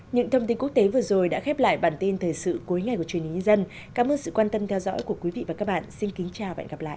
những thông tin quốc tế vừa rồi đã khép lại bản tin thời sự cuối ngày của truyền hình nhân dân cảm ơn sự quan tâm theo dõi của quý vị và các bạn xin kính chào và hẹn gặp lại